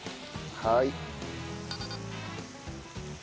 はい。